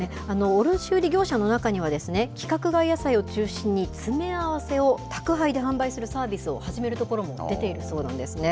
卸売り業者の中には、規格外野菜を中心に、詰め合わせを宅配で販売するサービスを始めるところも出ているそうなんですね。